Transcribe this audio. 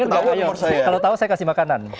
tau gak kalau tau saya kasih makanan